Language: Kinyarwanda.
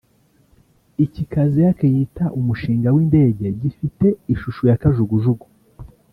Iki Kaziyake yita umushinga w’indege gifite ishusho ya kajugujugu